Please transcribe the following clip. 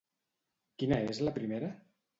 Quina és la primera?